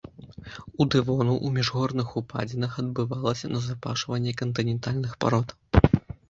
У дэвону ў міжгорных упадзінах адбывалася назапашванне кантынентальных парод.